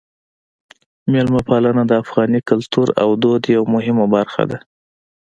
میلمه پالنه د افغاني کلتور او دود یوه مهمه برخه ده.